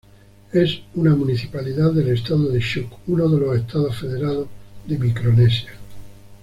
Es una municipalidad del Estado de Chuuk, uno de los Estados Federados de Micronesia.